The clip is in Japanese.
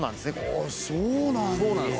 あぁそうなんだ。